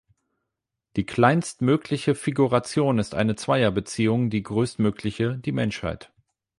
Die kleinst mögliche Figuration ist eine Zweierbeziehung, die größtmögliche die Menschheit.